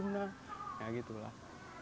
ya gitu lah